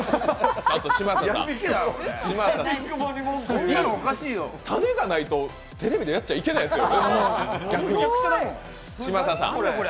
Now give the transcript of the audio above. あと嶋佐さん、タネがないと、テレビでやっちゃいけないやつよ、逆に。